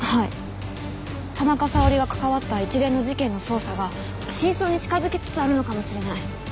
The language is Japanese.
田中沙織が関わった一連の事件の捜査が真相に近づきつつあるのかもしれない。